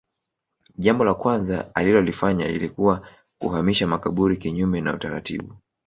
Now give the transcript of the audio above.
Jambo la kwanza alilolifanya ilikuwa ni kuhamisha makaburi kinyume na utaratibu